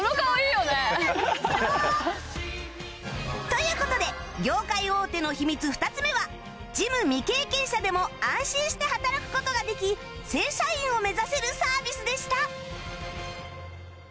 という事で業界大手の秘密２つ目は事務未経験者でも安心して働く事ができ正社員を目指せるサービスでした